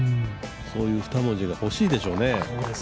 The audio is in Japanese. そういう二文字がほしいでしょうね。